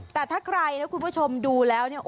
แต่ถ้าใครนะคุณผู้ชมดูแล้วเนี่ย